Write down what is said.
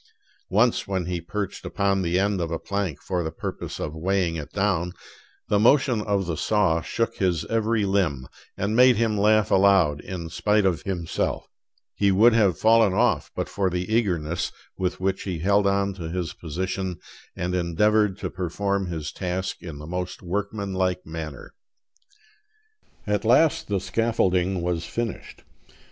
Once, when he perched upon the end of a plank for the purpose of weighing it down, the motion of the saw shook his every limb, and made him laugh aloud in spite of himself; he would have fallen off but for the eagerness with which he held on to his position and endeavored to perform his task in the most workmanlike manner. At last the scaffolding was finished.